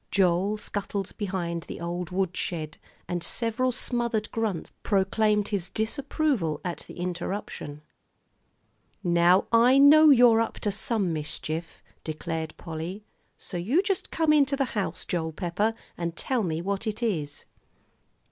Joel scuttled behind the old woodshed, and several smothered grunts proclaimed his disapproval at the interruption. "Now I know you're up to some mischief," declared Polly, "so you just come into the house, Joel Pepper, and tell me what it is."